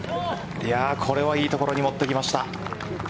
これはいい所に持ってきました。